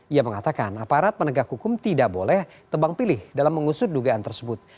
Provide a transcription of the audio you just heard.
ia mengatakan aparat penegak hukum tidak boleh tebang pilih dalam mengusut dugaan tersebut